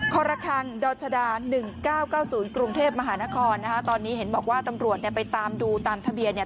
คอรคังดรชดา๑๙๙๐กรุงเทพมหานครนะคะตอนนี้เห็นบอกว่าตำรวจเนี่ยไปตามดูตามทะเบียนเนี่ย